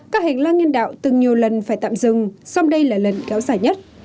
các hành lang nhiên đạo từng nhiều lần phải tạm dừng xong đây là lần kéo dài nhất